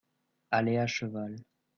aller à cheval.